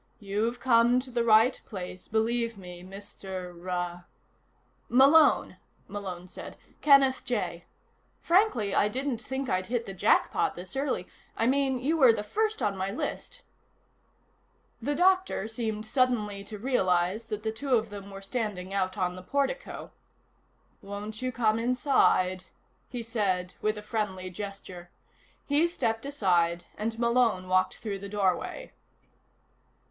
"You've come to the right place, believe me, Mr. ah " "Malone," Malone said. "Kenneth J. Frankly, I didn't think I'd hit the jackpot this early I mean, you were the first on my list " The doctor seemed suddenly to realize that the two of them were standing out on the portico. "Won't you come inside?" he said, with a friendly gesture. He stepped aside and Malone walked through the doorway.